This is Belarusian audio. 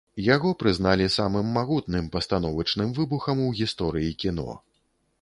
Яго прызналі самым магутным пастановачным выбухам у гісторыі кіно.